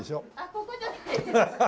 ここじゃないです。